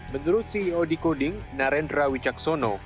menurut si yonatan